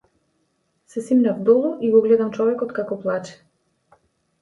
Се симнав долу и го гледам човекот како плаче.